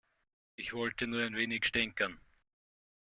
Ich wollte nur ein wenig stänkern.